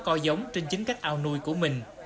và có giống trên chính cách ảo nuôi của mình